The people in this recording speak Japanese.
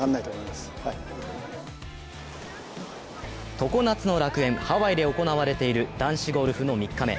常夏の楽園、ハワイで行われている男子ゴルフの３日目。